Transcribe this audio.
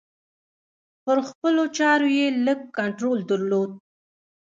پر خپلو چارو یې لږ کنترول درلود.